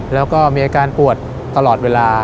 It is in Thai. แล้วก็มีอาการปวดตลอดเวลา